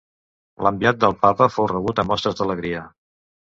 L'enviat del Papa fou rebut amb mostres d'alegria.